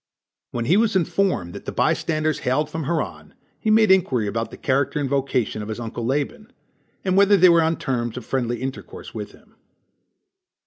When he was informed that the by standers hailed from Haran, he made inquiry about the character and vocation of his uncle Laban, and whether they were on terms of friendly intercourse with him.